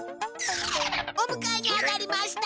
おむかえにあがりました。